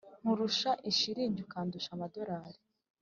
Nkurusha ishilingi ukandusha amadolarari